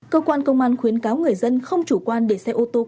cơ quan công an khuyến cáo người dân không chủ quan để xe ô tô qua đường